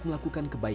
maju sangat bereri